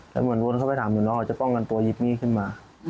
แล้วเหมือนวนเข้าไปถามอยู่น้องเราจะป้องกันตัวยิบหนี้ขึ้นมา